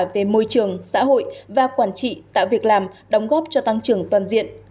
về môi trường xã hội và quản trị tạo việc làm đóng góp cho tăng trưởng toàn diện